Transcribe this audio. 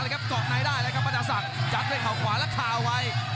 ก่อกในได้เลยครับปันธศักดิ์จัดเลยขาวขวาและขาวไว